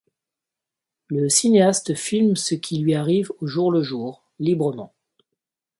Le cinéaste filme ce qui lui arrive au jour le jour, librement.